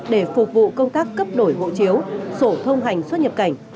để phục vụ công tác cấp đổi hộ chiếu sổ thông hành xuất nhập cảnh